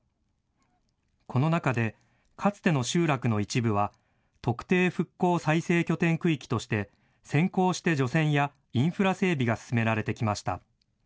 この中で、かつての集落の一部は特定復興再生拠点区域として先行して除染やインフラ整備が進められてきました。